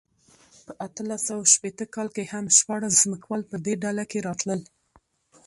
په اتلس سوه شپېته کال کې هم شپاړس ځمکوال په دې ډله کې راتلل.